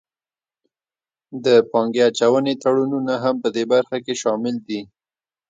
د پانګې اچونې تړونونه هم پدې برخه کې شامل دي